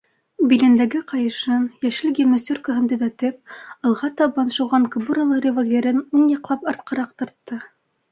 Билендәге ҡайышын, йәшел гимнастеркаһын төҙәтеп, алға табан шыуған кабуралы револьверын уң яҡлап артҡараҡ тартты.